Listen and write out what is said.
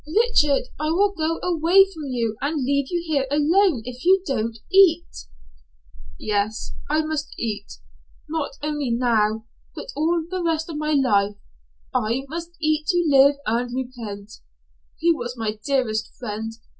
"Richard, I'll go away from you and leave you here alone if you don't eat." "Yes, I must eat not only now but all the rest of my life, I must eat to live and repent. He was my dearest friend.